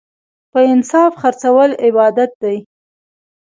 په انصاف خرڅول عبادت دی.